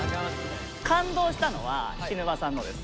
感動したのは菱沼さんのです。